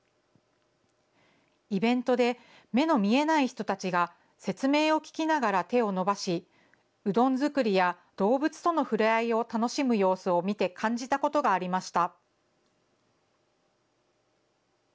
イベントで、目の見えない人たちが説明を聞きながら手を伸ばし、うどん作りや動物との触れ合いを楽しむ様子を見て感じたことがありました。